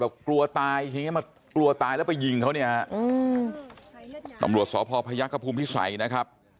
แบบกลัวตายมากลัวตายแล้วไปยิงเขาเนี่ยตำรวจสพพภิษัยนะครับ